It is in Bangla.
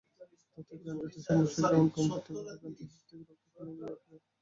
তাতে যানজটের সমস্যা যেমন কমবে, তেমনি ভোগান্তির হাত থেকেও রক্ষা পাবেন অভিভাবকেরা।